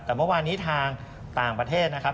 แต่เมื่อวานนี้ทางต่างประเทศนะครับ